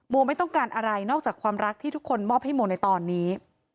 ไม่ต้องการอะไรนอกจากความรักที่ทุกคนมอบให้โมในตอนนี้